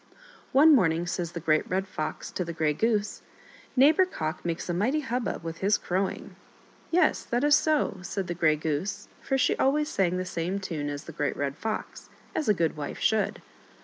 One morning says the Great Red Fox to the Grey Goose, " Neighbor Cock makes a mighty hubbub with his crowing !"" Yes, that is so," said the Grey Goose ; for she always sang the same tune as the Great Red Fox, as a good wife should.